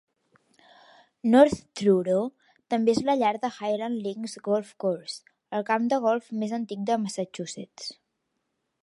North Truro també és la llar de Highland Links Golf Course, el camp de golf més antic de Massachusetts.